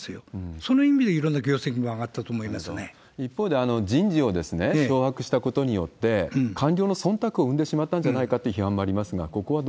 その意味でいろんな業績も上がっ一方で、人事を掌握したことによって、官僚のそんたくを生んでしまったんじゃないかという批判もありま